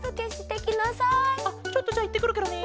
あっちょっとじゃあいってくるケロね。